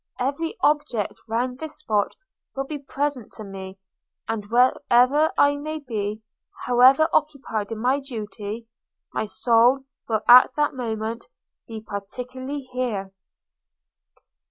– Every object round this spot will be present to me; and wherever I may be, however occupied in my duty, my soul will at that moment be particularly here.'